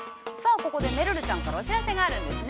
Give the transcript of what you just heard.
ここでめるるちゃんからお知らせがあるんですね。